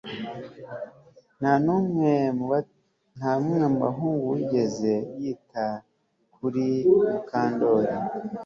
Nta numwe mu bahungu wigeze yita kuri Mukandoli